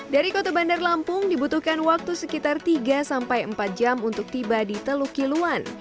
dari kota bandar lampung dibutuhkan waktu sekitar tiga sampai empat jam untuk tiba di teluk kiluan